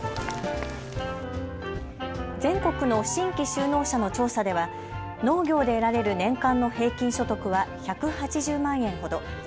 全国の新規就農者の調査では農業で得られる年間の平均所得は１８０万円ほど。